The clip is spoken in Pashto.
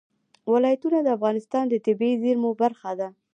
ولایتونه د افغانستان د طبیعي زیرمو برخه ده.